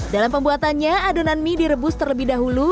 dalam pembuatannya adonan mie direbus terlebih dahulu